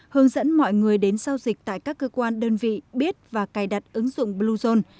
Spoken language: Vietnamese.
hướng dẫn mọi người đến sau dịch tại các cơ quan đơn vị biết và cài đặt ứng dụng bluezone